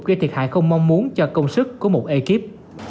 gây thiệt hại không mong muốn cho công sức của một ekip